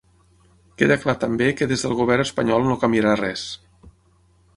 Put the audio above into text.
Queda clar també que des del govern espanyol no canviarà res.